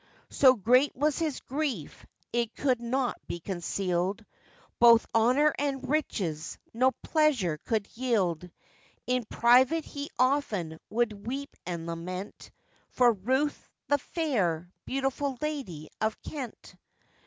So great was his grief it could not be concealed, Both honour and riches no pleasure could yield; In private he often would weep and lament, For Ruth, the fair, beautiful lady of Kent.